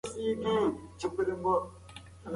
ستا په سر کې سپین ويښتان ښکاره شول.